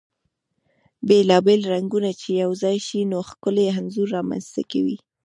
بيلا بيل رنګونه چی يو ځاي شي ، نو ښکلی انځور رامنځته کوي .